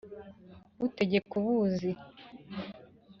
utegeka u buzi.